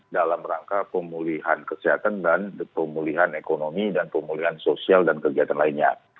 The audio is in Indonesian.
dalam rangka pemulihan kesehatan dan pemulihan ekonomi dan pemulihan sosial dan kegiatan lainnya